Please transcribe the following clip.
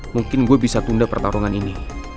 mungkin gue bisa tunda pertarungan ini